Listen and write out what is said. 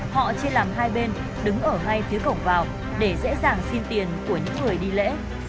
họ chia làm hai bên đứng ở ngay phía cổng vào để dễ dàng xin tiền của những người đi lễ